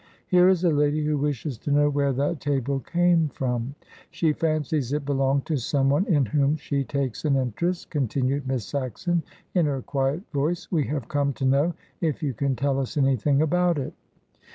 "Here is a lady who wishes to know where that table came from. She fancies it belonged to some one in whom she takes an interest," continued Miss Saxon in her quiet voice. "We have come to know if you can tell us anything about it?"